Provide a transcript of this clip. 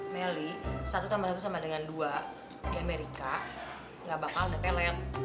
meli satu tambah satu sama dengan dua di amerika gak bakal dipelet